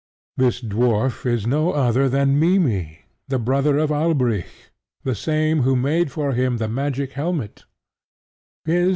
This dwarf is no other than Mimmy, the brother of Alberic, the same who made for him the magic helmet.